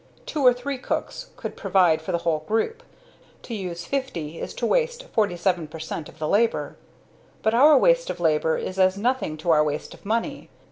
Two or three cooks could provide for the whole group; to use fifty is to waste 47 per cent. of the labor. "But our waste of labor is as nothing to our waste of money.